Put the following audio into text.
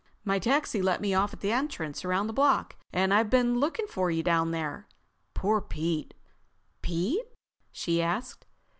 My taxi let me off at the entrance around the block, and I've been looking for you down there.... Poor Pete!" "Pete?" she asked.